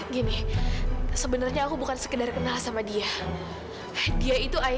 gini sebenarnya aku bukan sekedar kenal sama dia itu